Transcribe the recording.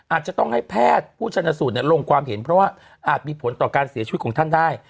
อาจจะต้องให้แพทย์ผู้ชนสูตรลงความเห็นเพราะว่าอาจมีผลต่อการเสียชีวิตของท่านได้